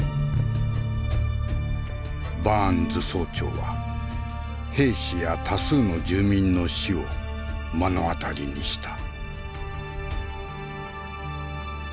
バーンズ曹長は兵士や多数の住民の死を目の当たりにした。